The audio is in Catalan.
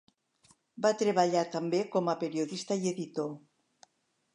Va treballar també com a periodista i editor.